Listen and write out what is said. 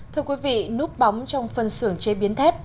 thưa quý vị núp bóng trong phân xưởng chế biến thép